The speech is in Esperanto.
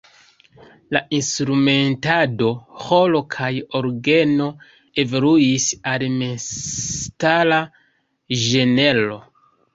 La instrumentado "ĥoro kaj orgeno" evoluis al memstara ĝenro.